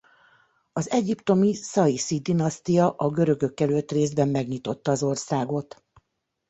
Az egyiptomi szaiszi dinasztia a görögök előtt részben megnyitotta az országot.